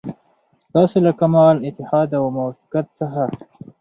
ستاسو له کمال اتحاد او موافقت څخه.